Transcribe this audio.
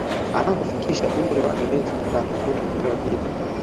Anapofikisha umri wa miezi mitatu mtoto hupewa jina